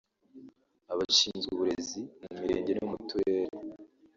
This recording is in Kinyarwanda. Abashinzwe uburezi mu Mirenge no mu Turere